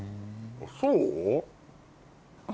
そう？